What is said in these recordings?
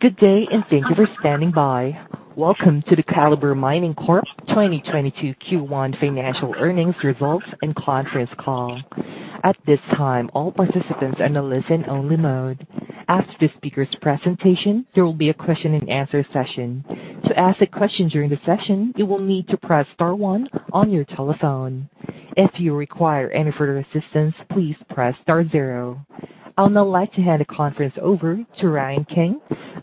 Good day, and thank you for standing by. Welcome to the Calibre Mining Corp 2022 Q1 Financial Earnings Results and Conference Call. At this time, all participants are in a listen-only mode. After the speakers' presentation, there will be a question and answer session. To ask a question during the session, you will need to press star one on your telephone. If you require any further assistance, please press star zero. I'd now like to hand the conference over to Ryan King,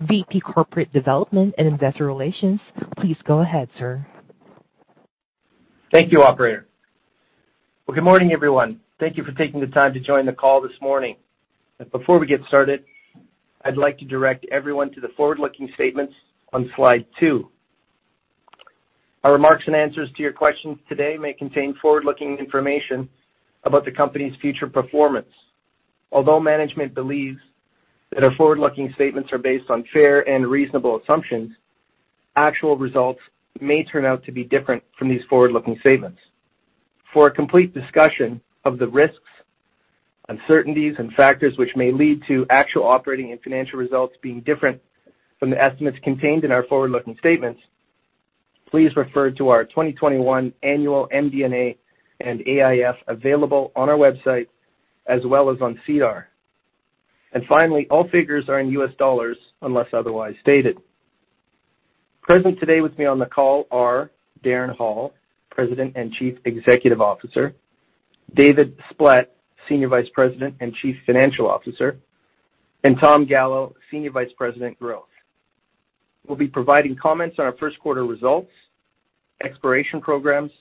VP Corporate Development and Investor Relations. Please go ahead, sir. Thank you, operator. Well, good morning, everyone. Thank you for taking the time to join the call this morning. Before we get started, I'd like to direct everyone to the forward-looking statements on slide two. Our remarks and answers to your questions today may contain forward-looking information about the company's future performance. Although management believes that our forward-looking statements are based on fair and reasonable assumptions, actual results may turn out to be different from these forward-looking statements. For a complete discussion of the risks, uncertainties, and factors which may lead to actual operating and financial results being different from the estimates contained in our forward-looking statements, please refer to our 2021 annual MD&A and AIF available on our website as well as on SEDAR. Finally, all figures are in U.S. dollars unless otherwise stated. Present today with me on the call are Darren Hall, President and Chief Executive Officer, David Splett, Senior Vice President and Chief Financial Officer, and Tom Gallo, Senior Vice President, Growth. We'll be providing comments on our first quarter results, exploration programs,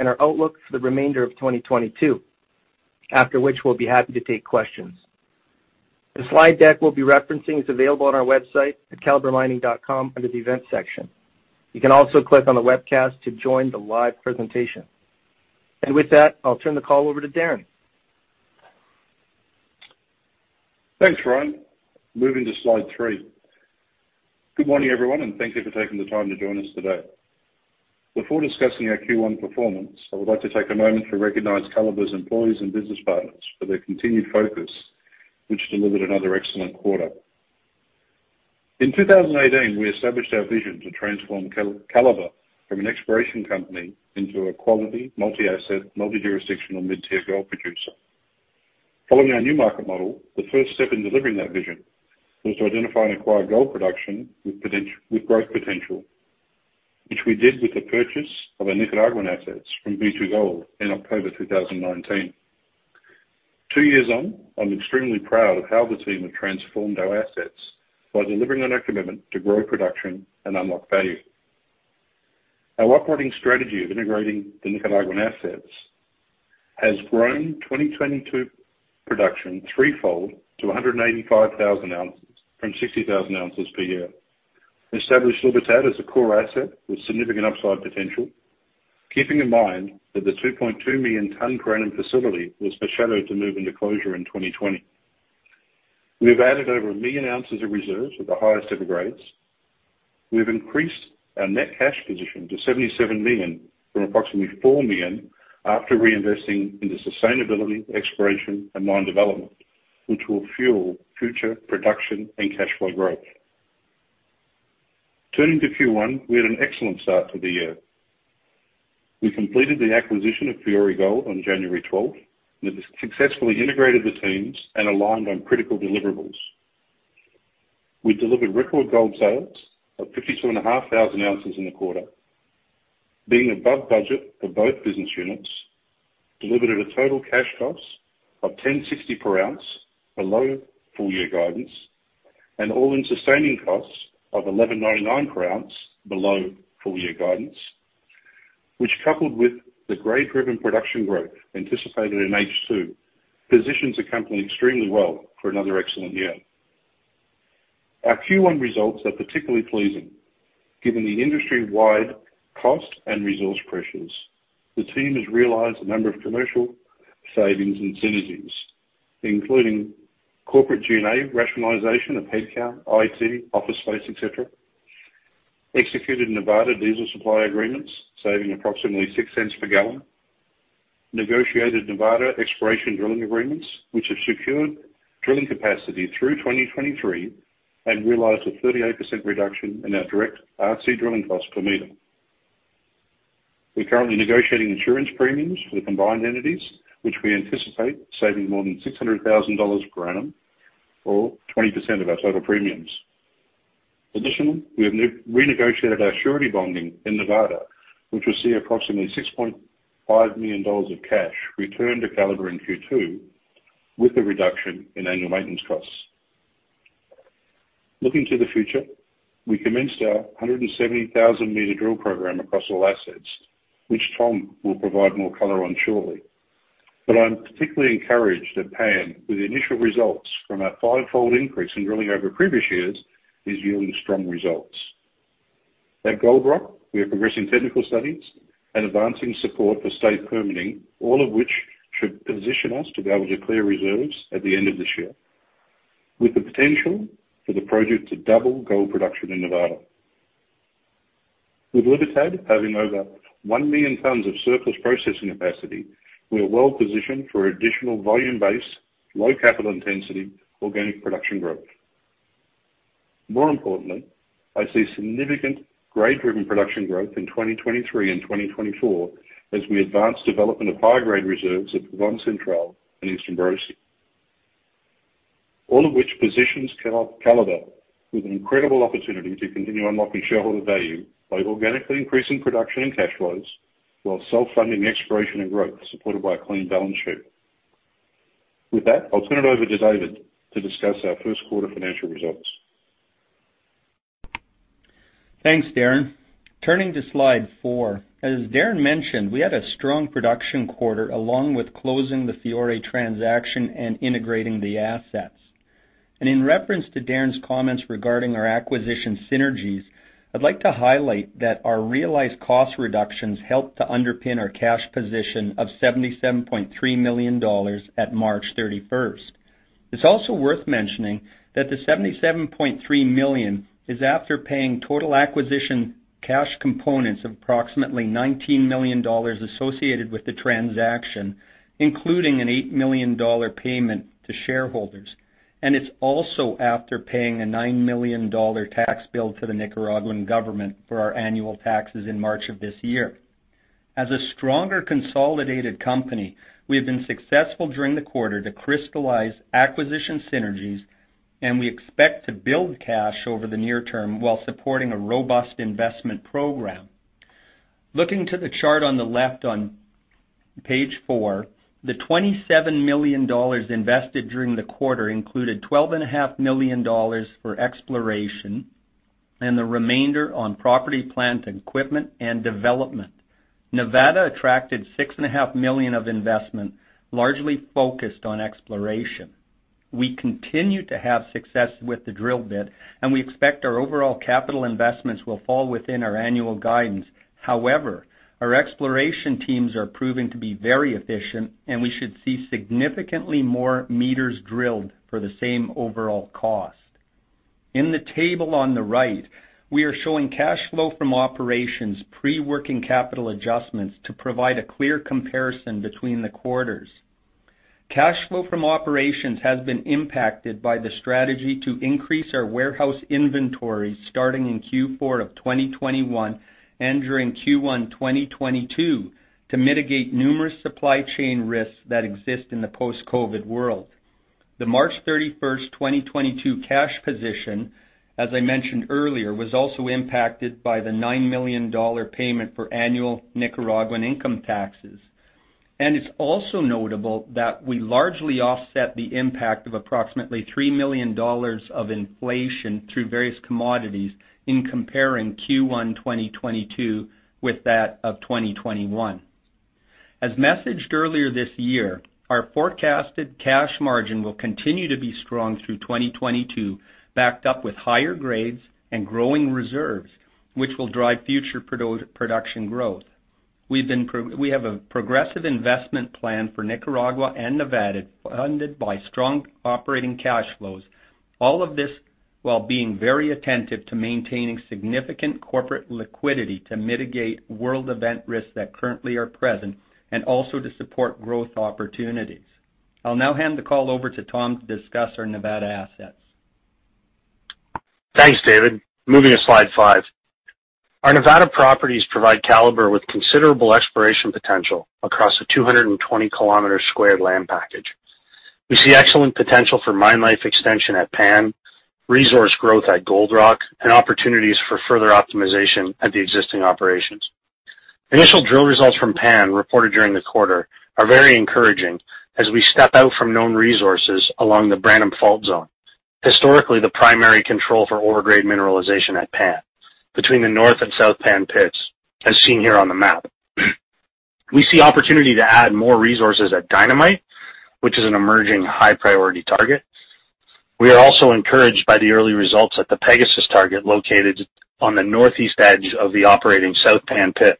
and our outlook for the remainder of 2022. After which, we'll be happy to take questions. The slide deck we'll be referencing is available on our website at calibremining.com under the Events section. You can also click on the webcast to join the live presentation. With that, I'll turn the call over to Darren. Thanks, Ryan. Moving to slide three. Good morning, everyone, and thank you for taking the time to join us today. Before discussing our Q1 performance, I would like to take a moment to recognize Calibre's employees and business partners for their continued focus, which delivered another excellent quarter. In 2018, we established our vision to transform Calibre from an exploration company into a quality, multi-asset, multi-jurisdictional mid-tier gold producer. Following our new market model, the first step in delivering that vision was to identify and acquire gold production with growth potential, which we did with the purchase of our Nicaraguan assets from B2Gold in October 2019. Two years on, I'm extremely proud of how the team have transformed our assets by delivering on our commitment to grow production and unlock value. Our operating strategy of integrating the Nicaraguan assets has grown 2022 production threefold to 185,000 ounces from 60,000 ounces per year, established La Libertad as a core asset with significant upside potential. Keeping in mind that the 2.2 million ton per annum facility was destined to move into closure in 2020. We have added over a million ounces of reserves with the highest ever grades. We've increased our net cash position to $77 million from approximately $4 million after reinvesting into sustainability, exploration, and mine development, which will fuel future production and cash flow growth. Turning to Q1, we had an excellent start to the year. We completed the acquisition of Fiore Gold on January 12, and have successfully integrated the teams and aligned on critical deliverables. We delivered record gold sales of 52,500 ounces in the quarter, being above budget for both business units, delivered at a total cash cost of $1,060 per ounce below full year guidance, and all-in sustaining costs of $1,199 per ounce below full year guidance, which coupled with the grade-driven production growth anticipated in H2, positions the company extremely well for another excellent year. Our Q1 results are particularly pleasing, given the industry-wide cost and resource pressures. The team has realized a number of commercial savings and synergies, including corporate G&A rationalization of headcount, IT, office space, et cetera, executed Nevada diesel supply agreements, saving approximately $0.06 per gallon, negotiated Nevada exploration drilling agreements, which have secured drilling capacity through 2023, and realized a 38% reduction in our direct RC drilling cost per meter. We're currently negotiating insurance premiums for the combined entities, which we anticipate saving more than $600,000 per annum or 20% of our total premiums. Additionally, we have renegotiated our surety bonding in Nevada, which will see approximately $6.5 million of cash return to Calibre in Q2 with a reduction in annual maintenance costs. Looking to the future, we commenced our 170,000-meter drill program across all assets, which Tom will provide more color on shortly. I'm particularly encouraged at Pan with the initial results from our five-fold increase in drilling over previous years is yielding strong results. At Gold Rock, we are progressing technical studies and advancing support for state permitting, all of which should position us to be able to declare reserves at the end of this year, with the potential for the project to double gold production in Nevada. With La Libertad having over 1 million tons of surplus processing capacity, we are well positioned for additional volume-based, low capital intensity, organic production growth. More importantly, I see significant grade-driven production growth in 2023 and 2024 as we advance development of high-grade reserves at Providencia and Eastern Borosi. All of which positions Calibre with an incredible opportunity to continue unlocking shareholder value by organically increasing production and cash flows while self-funding exploration and growth supported by a clean balance sheet. With that, I'll turn it over to David to discuss our first quarter financial results. Thanks, Darren. Turning to slide four. As Darren mentioned, we had a strong production quarter along with closing the Fiore transaction and integrating the assets. In reference to Darren's comments regarding our acquisition synergies, I'd like to highlight that our realized cost reductions helped to underpin our cash position of $77.3 million at March 31st. It's also worth mentioning that the $77.3 million is after paying total acquisition cash components of approximately $19 million associated with the transaction, including an $8 million payment to shareholders. It's also after paying a $9 million tax bill to the Nicaraguan government for our annual taxes in March of this year. As a stronger consolidated company, we have been successful during the quarter to crystallize acquisition synergies, and we expect to build cash over the near term while supporting a robust investment program. Looking to the chart on the left on page four, the $27 million invested during the quarter included $12.5 million for exploration and the remainder on property, plant, and equipment and development. Nevada attracted $6.5 million of investment, largely focused on exploration. We continue to have success with the drill bit, and we expect our overall capital investments will fall within our annual guidance. However, our exploration teams are proving to be very efficient, and we should see significantly more meters drilled for the same overall cost. In the table on the right, we are showing cash flow from operations pre-working capital adjustments to provide a clear comparison between the quarters. Cash flow from operations has been impacted by the strategy to increase our warehouse inventory starting in Q4 of 2021 and during Q1 2022 to mitigate numerous supply chain risks that exist in the post-COVID world. The March 31st, 2022 cash position, as I mentioned earlier, was also impacted by the $9 million payment for annual Nicaraguan income taxes. It's also notable that we largely offset the impact of approximately $3 million of inflation through various commodities in comparing Q1 2022 with that of 2021. As messaged earlier this year, our forecasted cash margin will continue to be strong through 2022, backed up with higher grades and growing reserves, which will drive future production growth. We have a progressive investment plan for Nicaragua and Nevada, funded by strong operating cash flows, all of this while being very attentive to maintaining significant corporate liquidity to mitigate world event risks that currently are present and also to support growth opportunities. I'll now hand the call over to Tom to discuss our Nevada assets. Thanks, David. Moving to slide five. Our Nevada properties provide Calibre with considerable exploration potential across a 220 km² land package. We see excellent potential for mine life extension at Pan, resource growth at Gold Rock, and opportunities for further optimization at the existing operations. Initial drill results from Pan reported during the quarter are very encouraging as we step out from known resources along the Branham Fault Zone, historically the primary control for high-grade mineralization at Pan between the North and South Pan pits, as seen here on the map. We see opportunity to add more resources at Dynamite, which is an emerging high-priority target. We are also encouraged by the early results at the Pegasus target located on the northeast edge of the operating South Pan pit,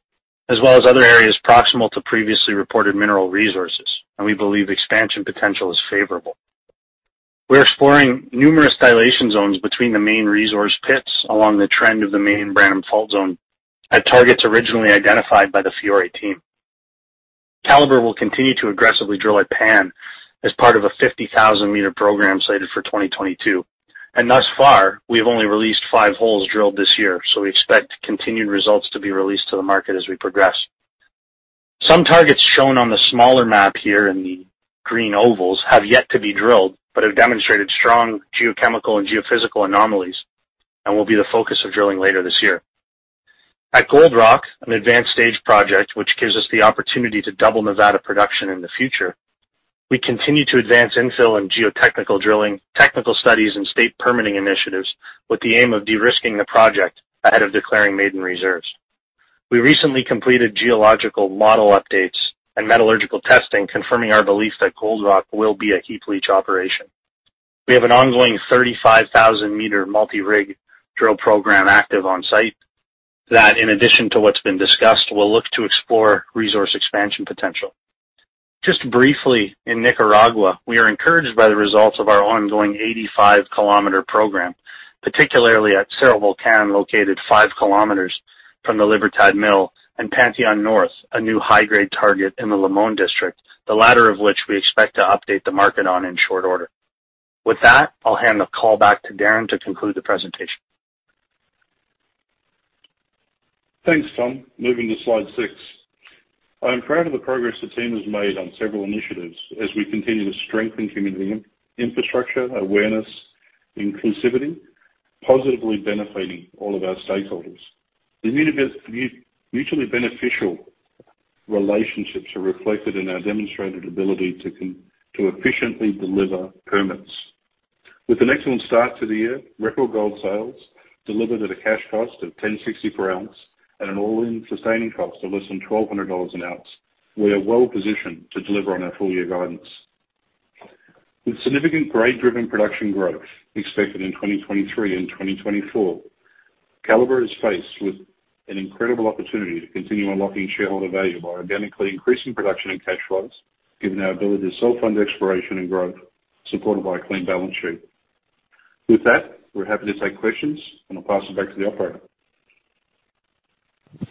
as well as other areas proximal to previously reported mineral resources, and we believe expansion potential is favorable. We're exploring numerous dilation zones between the main resource pits along the trend of the main Branham Fault Zone at targets originally identified by the Fiore team. Calibre will continue to aggressively drill at Pan as part of a 50,000-meter program cited for 2022. Thus far, we have only released 5 holes drilled this year, so we expect continued results to be released to the market as we progress. Some targets shown on the smaller map here in the green ovals have yet to be drilled but have demonstrated strong geochemical and geophysical anomalies and will be the focus of drilling later this year. At Gold Rock, an advanced stage project which gives us the opportunity to double Nevada production in the future, we continue to advance infill and geotechnical drilling, technical studies, and state permitting initiatives with the aim of de-risking the project ahead of declaring maiden reserves. We recently completed geological model updates and metallurgical testing, confirming our belief that Gold Rock will be a heap leach operation. We have an ongoing 35,000-meter multi-rig drill program active on-site that, in addition to what's been discussed, will look to explore resource expansion potential. Just briefly, in Nicaragua, we are encouraged by the results of our ongoing 85 km program, particularly at Cerro Volcán, located 5 km from the La Libertad Mill, and Panteon North, a new high-grade target in the Limón District, the latter of which we expect to update the market on in short order. With that, I'll hand the call back to Darren to conclude the presentation. Thanks, Tom. Moving to slide six. I am proud of the progress the team has made on several initiatives as we continue to strengthen community infrastructure, awareness, inclusivity, positively benefiting all of our stakeholders. The mutually beneficial relationships are reflected in our demonstrated ability to efficiently deliver permits. With an excellent start to the year, record gold sales delivered at a cash cost of $1,060 per ounce and an all-in sustaining cost of less than $1,200 an ounce, we are well positioned to deliver on our full year guidance. With significant grade-driven production growth expected in 2023 and 2024, Calibre is faced with an incredible opportunity to continue unlocking shareholder value by organically increasing production and cash flows, given our ability to self-fund exploration and growth, supported by a clean balance sheet. With that, we're happy to take questions, and I'll pass it back to the operator.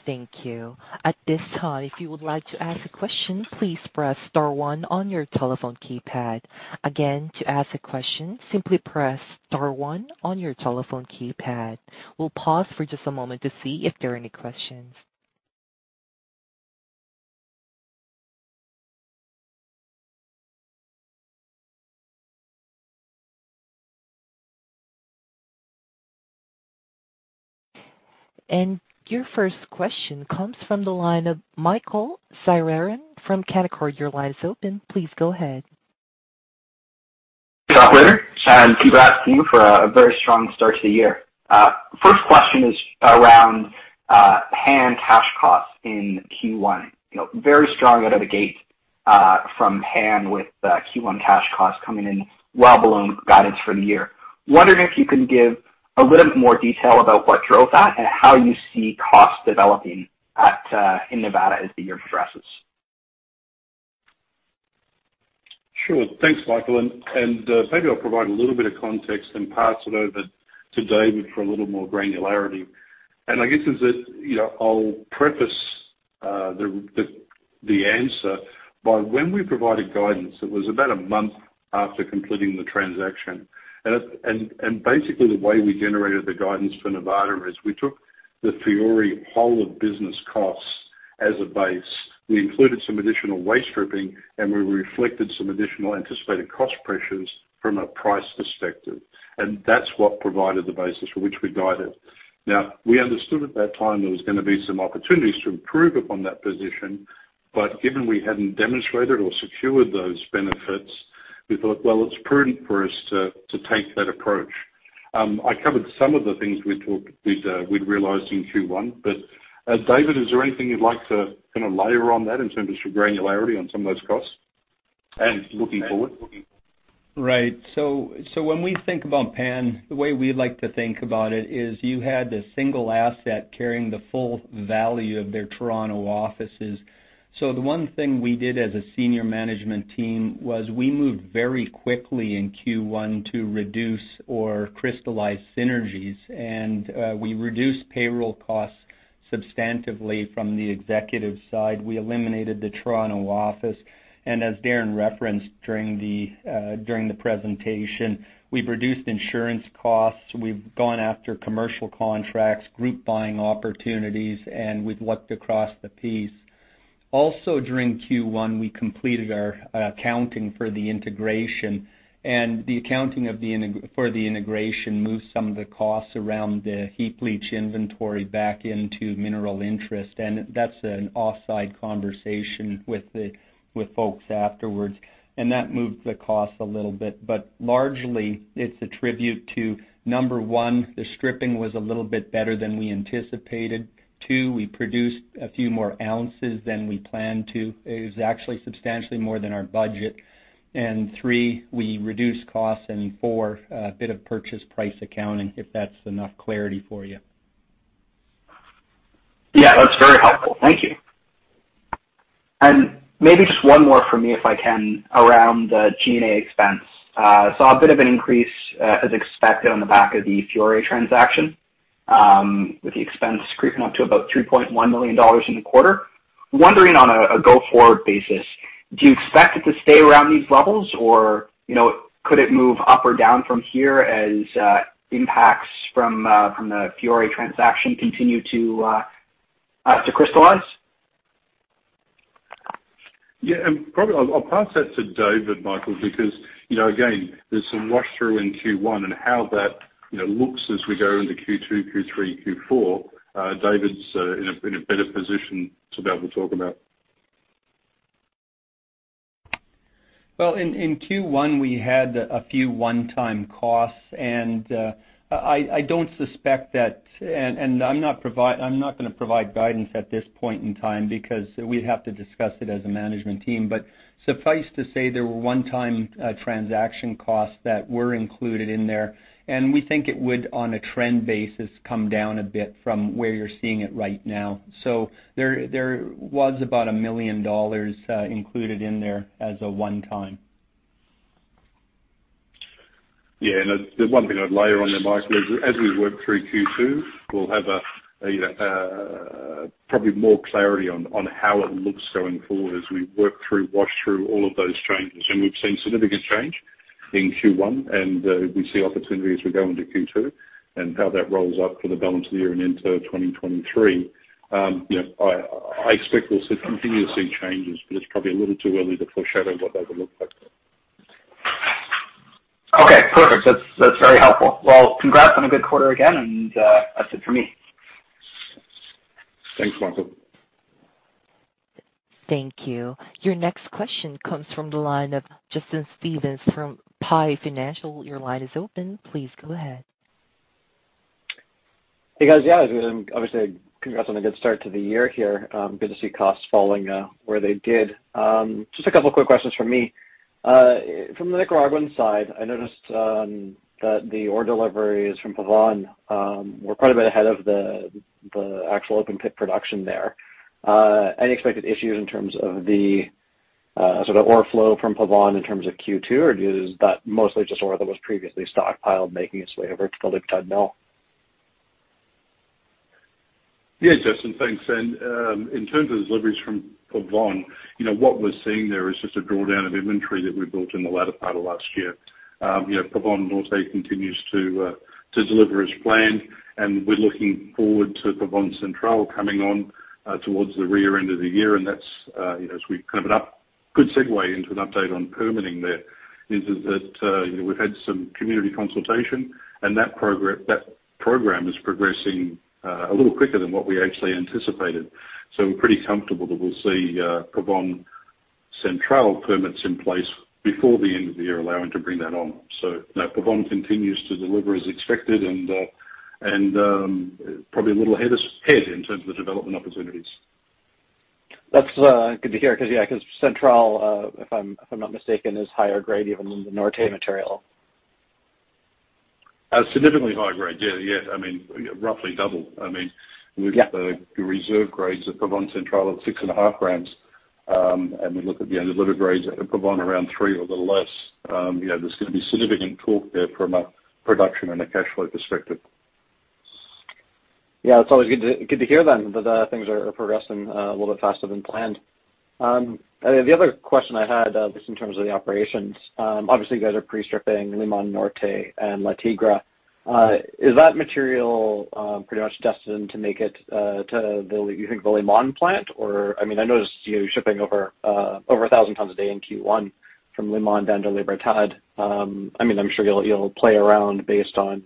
Thank you. At this time, if you would like to ask a question, please press star one on your telephone keypad. Again, to ask a question, simply press star one on your telephone keypad. We'll pause for just a moment to see if there are any questions. Your first question comes from the line of Michael Fairbairn from Canaccord. Your line is open. Please go ahead. Operator, congrats to you for a very strong start to the year. First question is around Pan cash costs in Q1. You know, very strong out of the gate from Pan with Q1 cash costs coming in well below guidance for the year. Wondering if you can give a little bit more detail about what drove that and how you see costs developing in Nevada as the year progresses. Sure. Thanks, Michael. Maybe I'll provide a little bit of context and pass it over to David for a little more granularity. You know, I'll preface the answer by when we provided guidance, it was about a month after completing the transaction. Basically the way we generated the guidance for Nevada is we took the Fiore whole of business costs as a base. We included some additional waste stripping, and we reflected some additional anticipated cost pressures from a price perspective. That's what provided the basis for which we guided. Now, we understood at that time there was gonna be some opportunities to improve upon that position, but given we hadn't demonstrated or secured those benefits, we thought, well, it's prudent for us to take that approach. I covered some of the things we'd realized in Q1. David, is there anything you'd like to kinda layer on that in terms of granularity on some of those costs and looking forward? Right. When we think about Pan, the way we like to think about it is you had the single asset carrying the full value of their Toronto offices. The one thing we did as a senior management team was we moved very quickly in Q1 to reduce or crystallize synergies. We reduced payroll costs substantively from the executive side. We eliminated the Toronto office. As Darren referenced during the presentation, we've reduced insurance costs, we've gone after commercial contracts, group buying opportunities, and we've looked across the piece. Also, during Q1, we completed our accounting for the integration. The accounting for the integration moved some of the costs around the heap leach inventory back into mineral interest, and that's an offside conversation with folks afterwards. That moved the cost a little bit, but largely it's a tribute to, number one, the stripping was a little bit better than we anticipated. Two, we produced a few more ounces than we planned to. It was actually substantially more than our budget. Three, we reduced costs. Four, a bit of purchase price accounting, if that's enough clarity for you. Yeah, that's very helpful. Thank you. Maybe just one more for me, if I can, around the G&A expense. Saw a bit of an increase, as expected on the back of the Fiore transaction, with the expense creeping up to about $3.1 million in the quarter. Wondering on a go-forward basis, do you expect it to stay around these levels or, you know, could it move up or down from here as impacts from the Fiore transaction continue to crystallize? Yeah, probably I'll pass that to David, Michael, because, you know, again, there's some wash through in Q1 and how that, you know, looks as we go into Q2, Q3, Q4, David's in a better position to be able to talk about. Well, in Q1, we had a few one-time costs, and I don't suspect that. I'm not gonna provide guidance at this point in time because we'd have to discuss it as a management team. Suffice to say there were one-time transaction costs that were included in there, and we think it would, on a trend basis, come down a bit from where you're seeing it right now. There was about $1 million included in there as a one-time. Yeah, the one thing I'd layer on there, Michael, is as we work through Q2, we'll have probably more clarity on how it looks going forward as we work through, wash through all of those changes. We've seen significant change in Q1, and we see opportunity as we go into Q2 and how that rolls up for the balance of the year and into 2023. You know, I expect we'll continue to see changes, but it's probably a little too early to foreshadow what they would look like. Okay, perfect. That's very helpful. Well, congrats on a good quarter again, and that's it for me. Thanks, Michael. Thank you. Your next question comes from the line of Justin Stevens from PI Financial. Your line is open. Please go ahead. Hey, guys. Yeah, obviously, congrats on a good start to the year here, good to see costs falling where they did. Just a couple of quick questions from me. From the Nicaraguan side, I noticed that the ore deliveries from Pavón were quite a bit ahead of the actual open pit production there. Any expected issues in terms of the sort of ore flow from Pavón in terms of Q2, or is that mostly just ore that was previously stockpiled making its way over to the La Libertad Mill? Yeah, Justin, thanks. In terms of the deliveries from Pavón, you know, what we're seeing there is just a drawdown of inventory that we built in the latter part of last year. Pavón North continues to deliver as planned, and we're looking forward to Pavón Central coming on towards the rear end of the year. That's, you know, good segue into an update on permitting there is that, you know, we've had some community consultation. That program is progressing a little quicker than what we actually anticipated. We're pretty comfortable that we'll see Pavón Central permits in place before the end of the year, allowing to bring that on. You know, Pavón continues to deliver as expected and probably a little ahead in terms of the development opportunities. That's good to hear because, yeah, because Central, if I'm not mistaken, is higher grade even than the Norte material. Significantly higher grade. Yeah, yeah. I mean, roughly double. Yeah The reserve grades at Pavón Central at 6.5 grams. We look at the other delivery grades at Pavón around three or a little less. You know, there's gonna be significant torque there from a production and a cash flow perspective. Yeah, it's always good to hear then that things are progressing a little bit faster than planned. The other question I had just in terms of the operations, obviously, you guys are pre-stripping Limón Norte and La Tigra. Is that material pretty much destined to make it to the you think the Limón plant? Or, I mean, I noticed you shipping over 1,000 tons a day in Q1 from Limón down to La Libertad. I mean, I'm sure you'll play around based on,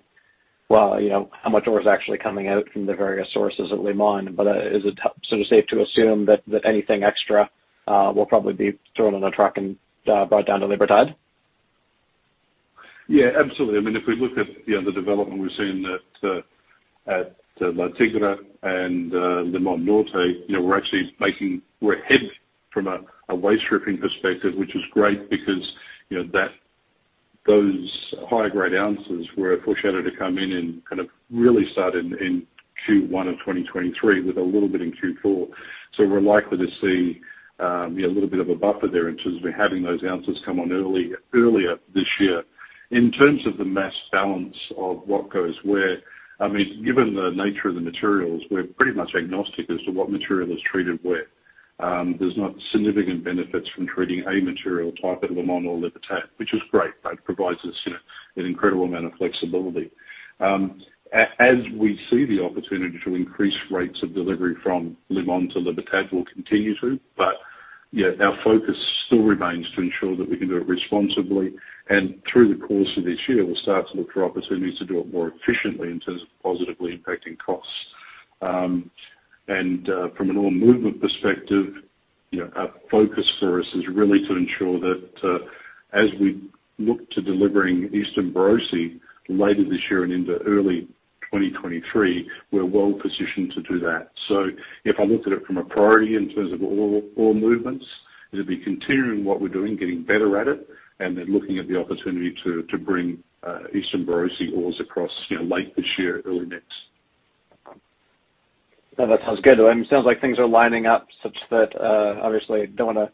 well, you know, how much ore is actually coming out from the various sources at Limón. Is it sort of safe to assume that anything extra will probably be thrown on a truck and brought down to La Libertad? Yeah, absolutely. I mean, if we look at, you know, the development we're seeing at La Tigra and Limón Norte, you know, we're actually ahead from a waste stripping perspective, which is great because, you know, those higher grade ounces were foreshadowed to come in and kind of really start in Q1 of 2023, with a little bit in Q4. We're likely to see, you know, a little bit of a buffer there in terms of having those ounces come on early, earlier this year. In terms of the mass balance of what goes where, I mean, given the nature of the materials, we're pretty much agnostic as to what material is treated where. There's not significant benefits from treating A material type at Limón or La Libertad, which is great, right? It provides us, you know, an incredible amount of flexibility. As we see the opportunity to increase rates of delivery from Limón to Libertad, we'll continue to. Yeah, our focus still remains to ensure that we can do it responsibly. Through the course of this year, we'll start to look for opportunities to do it more efficiently in terms of positively impacting costs. From an ore movement perspective, you know, our focus for us is really to ensure that, as we look to delivering Eastern Borosi later this year and into early 2023, we're well-positioned to do that. If I looked at it from a priority in terms of ore movements, it'd be continuing what we're doing, getting better at it, and then looking at the opportunity to bring Eastern Borosi ores across, you know, late this year, early next. That sounds good. I mean, it sounds like things are lining up such that, obviously don't wanna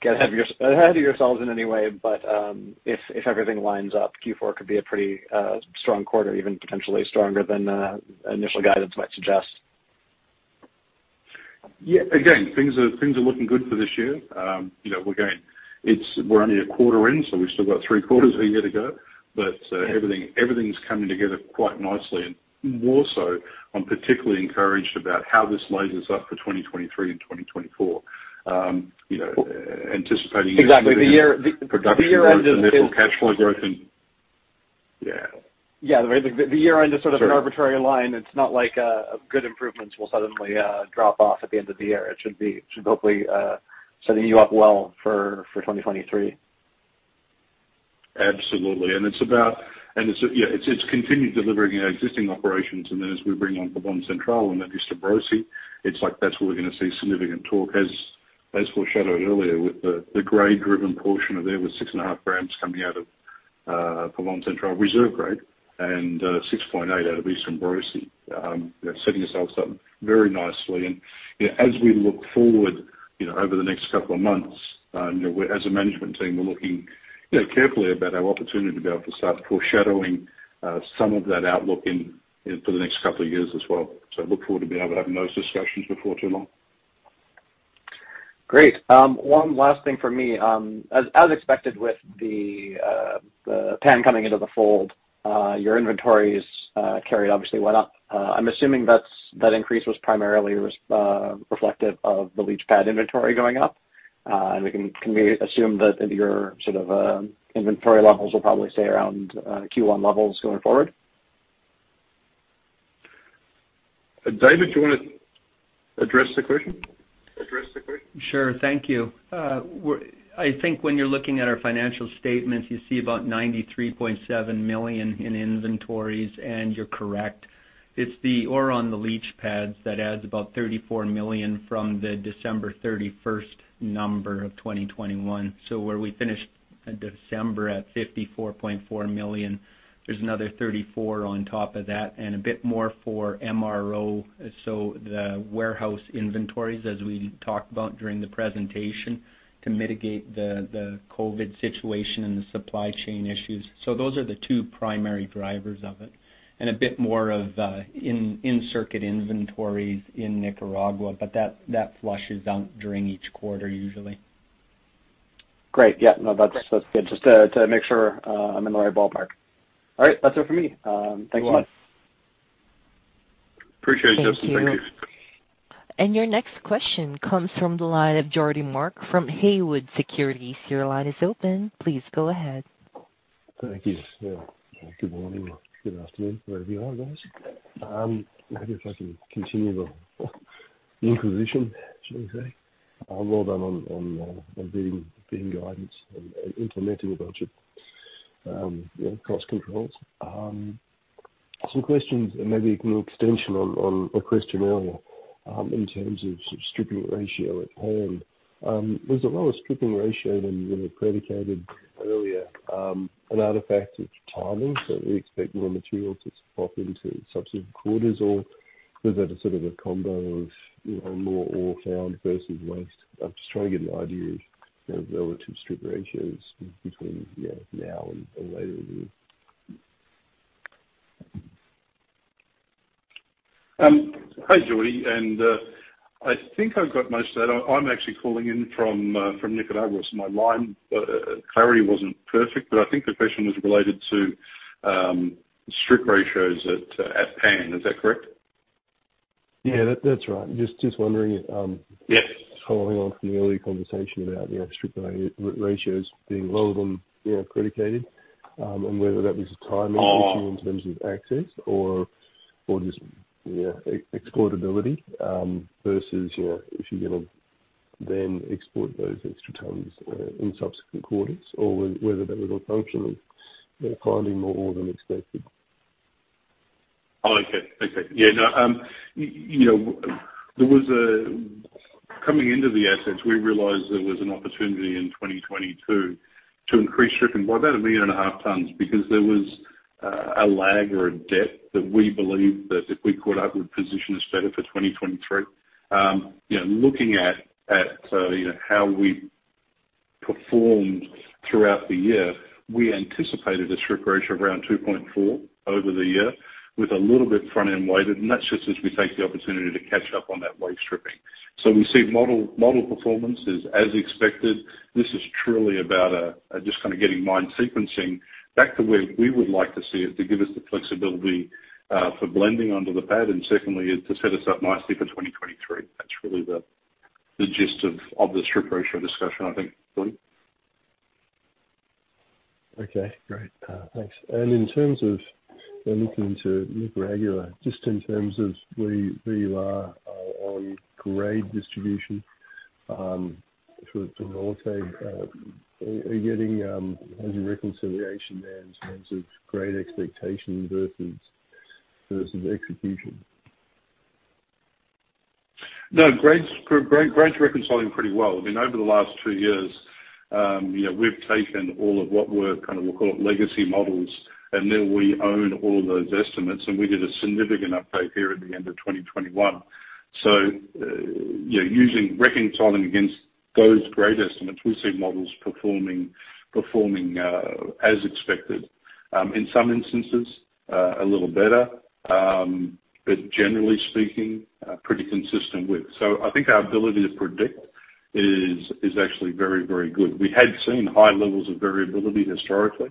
get ahead of yourselves in any way. If everything lines up, Q4 could be a pretty strong quarter, even potentially stronger than initial guidance might suggest. Yeah. Again, things are looking good for this year. You know, we're only a quarter in, so we've still got three quarters of the year to go. Everything's coming together quite nicely. More so, I'm particularly encouraged about how this loads us up for 2023 and 2024. You know, anticipating. Exactly. The year end is. Production growth and therefore cash flow growth. Yeah. The year end is sort of an arbitrary line. It's not like good improvements will suddenly drop off at the end of the year. It should be hopefully setting you up well for 2023. Absolutely. It's about, yeah, it's continued delivering our existing operations. Then as we bring on Pavón Central and then Eastern Borosi, it's like that's where we're gonna see significant torque. As foreshadowed earlier, with the grade-driven portion of there with 6.5 grams coming out of Pavón Central reserve grade and 6.8 out of Eastern Borosi, you know, setting ourselves up very nicely. You know, as we look forward, you know, over the next couple of months, as a management team, we're looking, you know, carefully about our opportunity to be able to start foreshadowing some of that outlook into the next couple of years as well. Look forward to being able to having those discussions before too long. Great. One last thing for me. As expected, with the Pan coming into the fold, your inventories carry obviously went up. I'm assuming that increase was primarily reflective of the leach pad inventory going up. Can we assume that your sort of inventory levels will probably stay around Q1 levels going forward? David, do you wanna address the question? Address the question. Sure. Thank you. I think when you're looking at our financial statements, you see about $93.7 million in inventories. You're correct, it's the ore on the leach pads that adds about $34 million from the December 31st number of 2021. Where we finished December at $54.4 million, there's another $34 on top of that and a bit more for MRO. The warehouse inventories, as we talked about during the presentation, to mitigate the COVID situation and the supply chain issues. Those are the two primary drivers of it and a bit more of in-circuit inventories in Nicaragua, but that flushes out during each quarter usually. Great. Yeah. No. That's good. Just to make sure I'm in the right ballpark. All right, that's it for me. Thanks so much. You're welcome. Appreciate it, Justin. Thank you. Thank you. Your next question comes from the line of Geordie Mark from Haywood Securities. Your line is open. Please go ahead. Thank you. Yeah. Good morning or good afternoon, wherever you are guys. Maybe if I can continue the inquisition, should we say? Well done on beating guidance and implementing a bunch of, you know, cost controls. Some questions and maybe a little extension on a question earlier, in terms of stripping ratio at Pan. Was the lower stripping ratio than you had predicted earlier an artifact of timing? We expect more material to pop into subsequent quarters or was that a sort of a combo of, you know, more ore found versus waste? I'm just trying to get an idea of relative strip ratios between, you know, now and later in the year. Hi, Geordie, I think I've got most of that. I'm actually calling in from Nicaragua, so my line clarity wasn't perfect, but I think the question was related to strip ratios at Pan. Is that correct? Yeah, that's right. Just wondering. Yes Following on from the earlier conversation about, you know, strip ratios being lower than, you know, predicted, and whether that was a timing issue. Oh In terms of access or just, you know, exportability, versus, you know, if you're gonna then export those extra tons in subsequent quarters or whether that was a function of, you know, finding more than expected. Okay. Yeah. No, you know, coming into the assets, we realized there was an opportunity in 2022 to increase stripping by about 1.5 million tons because there was a lag or a debt that we believed that if we caught up, would position us better for 2023. You know, looking at you know, how we performed throughout the year, we anticipated a strip ratio of around 2.4 over the year with a little bit front-end weighted, and that's just as we take the opportunity to catch up on that waste stripping. We see model performance is as expected. This is truly about just kinda getting mine sequencing back to where we would like to see it to give us the flexibility for blending onto the pad and secondly is to set us up nicely for 2023. That's really the gist of the strip ratio discussion I think, Geordie. Okay, great. Thanks. In terms of looking to Nicaragua, just in terms of where you are on grade distribution, sort of from an all take, are you getting? How's your reconciliation there in terms of grade expectations versus execution? No, grades reconciling pretty well. I mean, over the last two years, you know, we've taken all of what kind of we'll call it legacy models, and then we own all of those estimates, and we did a significant update here at the end of 2021. You know, using reconciling against those grade estimates, we've seen models performing as expected. In some instances, a little better, but generally speaking, pretty consistent with. I think our ability to predict is actually very, very good. We had seen high levels of variability historically,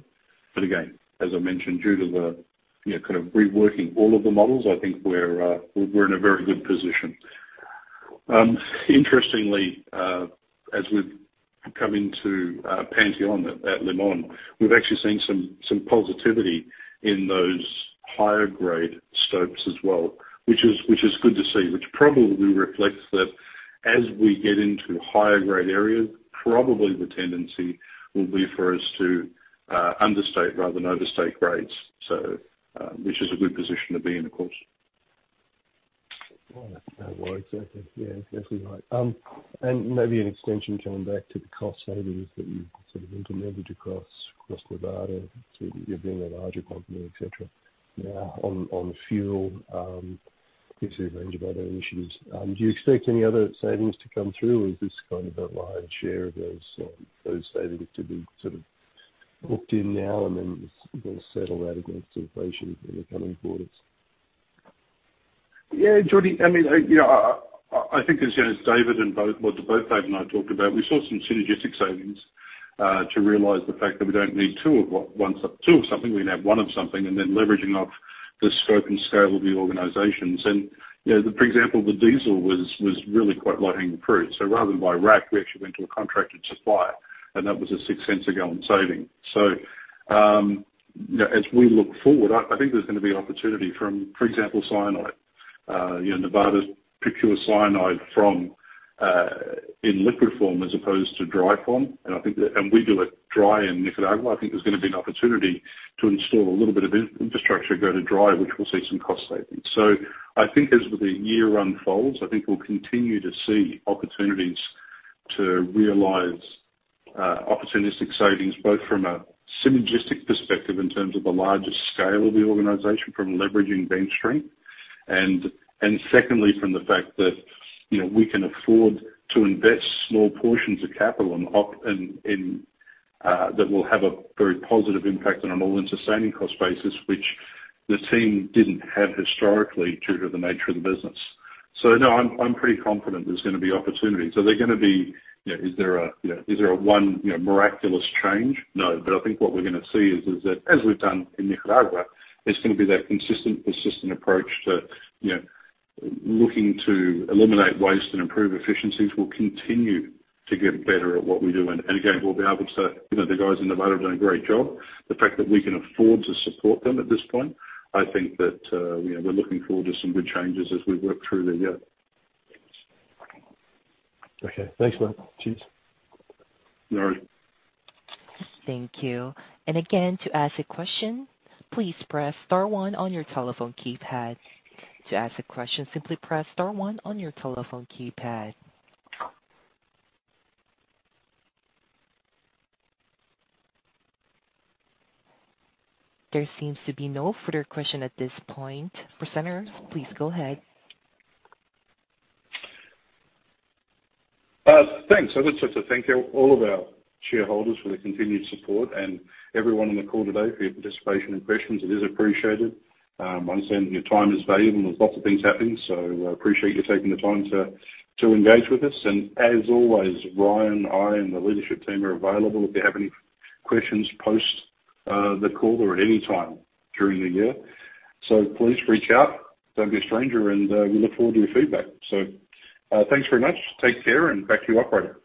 but again, as I mentioned, due to the, you know, kind of reworking all of the models, I think we're in a very good position. Interestingly, as we've come into Panteon at Limón, we've actually seen some positivity in those higher grade stopes as well, which is good to see. Which probably reflects that as we get into higher grade areas, probably the tendency will be for us to understate rather than overstate grades. Which is a good position to be in, of course. Well, that's exactly. Yeah, definitely right. Maybe an extension coming back to the cost savings that you've sort of implemented across Nevada to you being a larger company, et cetera. Now on fuel, obviously a range of other initiatives, do you expect any other savings to come through or is this kind of the lion's share of those savings to be sort of- Hooked in now, and then it's gonna settle out against inflation in the coming quarters. Yeah, Geordie, I mean, you know, I think as you know, as both David and I talked about, we saw some synergistic savings to realize the fact that we don't need two of something, we can have one of something, and then leveraging off the scope and scale of the organizations. You know, for example, the diesel was really quite low-hanging fruit. Rather than buy rack, we actually went to a contracted supplier, and that was a $0.06 a gallon saving. You know, as we look forward, I think there's gonna be opportunity from, for example, cyanide. You know, Nevada procures cyanide in liquid form as opposed to dry form. I think that. We do it dry in Nicaragua. I think there's gonna be an opportunity to install a little bit of infrastructure, go to dry, which will see some cost savings. I think as the year unfolds, I think we'll continue to see opportunities to realize opportunistic savings, both from a synergistic perspective in terms of the larger scale of the organization from leveraging bench strength. And secondly, from the fact that, you know, we can afford to invest small portions of capital and that will have a very positive impact on an all-in sustaining cost basis, which the team didn't have historically due to the nature of the business. No, I'm pretty confident there's gonna be opportunities. Are they gonna be? You know, is there a, you know, is there a one, you know, miraculous change? No. I think what we're gonna see is that, as we've done in Nicaragua, it's gonna be that consistent, persistent approach to, you know, looking to eliminate waste and improve efficiencies. We'll continue to get better at what we do. And again, we'll be able to. You know, the guys in Nevada are doing a great job. The fact that we can afford to support them at this point, I think that, you know, we're looking forward to some good changes as we work through the year. Okay. Thanks, mate. Cheers. No worries. Thank you. To ask a question, please press star one on your telephone keypad. To ask a question, simply press star one on your telephone keypad. There seems to be no further question at this point. Presenters, please go ahead. Thanks. I'd like just to thank all of our shareholders for their continued support and everyone on the call today for your participation and questions. It is appreciated. I understand your time is valuable, and there's lots of things happening, so I appreciate you taking the time to engage with us. As always, Ryan, I, and the leadership team are available if you have any questions post the call or at any time during the year. Please reach out, don't be a stranger, and we look forward to your feedback. Thanks very much. Take care, and back to you, operator.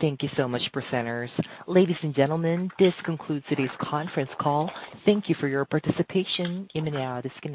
Thank you so much, presenters. Ladies and gentlemen, this concludes today's conference call. Thank you for your participation. You may now disconnect.